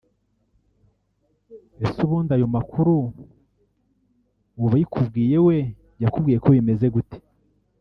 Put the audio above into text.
Ese ubundi ayo makuru uwabikubwiye we yakubwiye ko bimeze gute